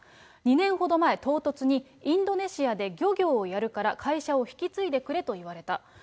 ２年ほど前、唐突にインドネシアで漁業をやるから、会社を引き継いでくれと言われた。